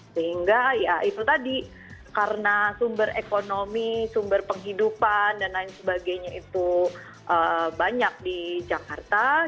sehingga ya itu tadi karena sumber ekonomi sumber penghidupan dan lain sebagainya itu banyak di jakarta